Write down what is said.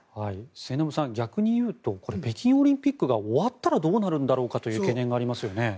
末延さん、逆に言うと北京オリンピックが終わったらどうなるんだろうかという懸念がありますよね。